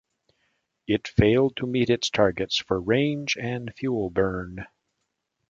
It failed to meet its targets for range and fuel burn.